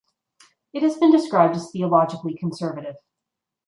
It has been described as theologically conservative.